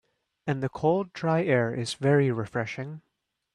And the cold, dry air is very refreshing.